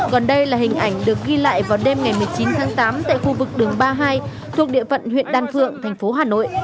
còn đây là hình ảnh được ghi lại vào đêm ngày một mươi chín tháng tám tại khu vực đường ba mươi hai thuộc địa phận huyện đan phượng thành phố hà nội